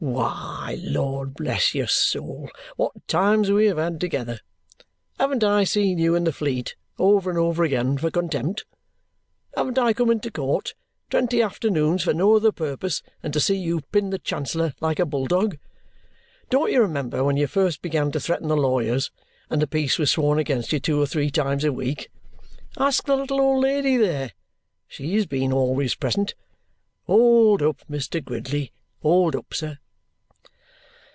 Why, Lord bless your soul, what times we have had together! Haven't I seen you in the Fleet over and over again for contempt? Haven't I come into court, twenty afternoons for no other purpose than to see you pin the Chancellor like a bull dog? Don't you remember when you first began to threaten the lawyers, and the peace was sworn against you two or three times a week? Ask the little old lady there; she has been always present. Hold up, Mr. Gridley, hold up, sir!"